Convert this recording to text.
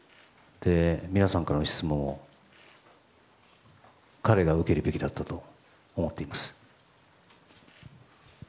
皆さんからの質問を彼が受けるべきだったと思っています。